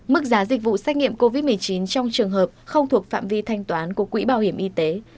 mức giá dịch vụ xét nghiệm covid một mươi chín trong trường hợp không thuộc phạm vi thanh toán của quỹ bảo hiểm y tế